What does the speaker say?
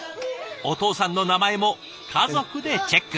お父さんの名前も家族でチェック。